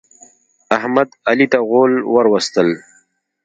احمد، علي ته غول ور وستل.